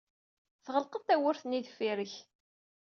Tɣelqeḍ tawwurt-nni deffir-k.